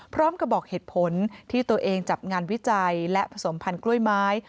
บอกเหตุผลที่ตัวเองจัดงานวิจัยและผสมพันธุ์กล้วยไม้